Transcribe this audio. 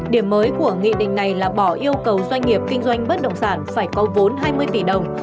điểm mới của nghị định này là bỏ yêu cầu doanh nghiệp kinh doanh bất động sản phải có vốn hai mươi tỷ đồng